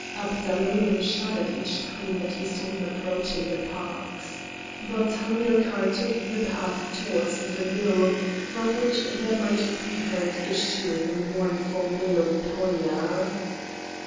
Abdalonim shuddered each time that he saw him approaching the parks. But Hamilcar took the path towards the mill, from which there might be heard issuing a mournful melopoia.